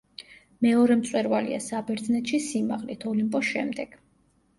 მეორე მწვერვალია საბერძნეთში სიმაღლით ოლიმპოს შემდეგ.